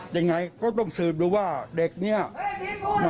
ยังไม่ค่อยถูกจริงหละ